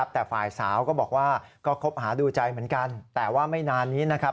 แต่ฝ่ายสาวก็บอกว่าก็คบหาดูใจเหมือนกันแต่ว่าไม่นานนี้นะครับ